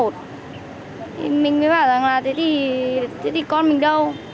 thì mình mới bảo rằng là thế thì con mình đâu